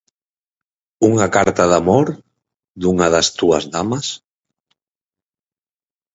Unha carta de amor dunha das túas damas?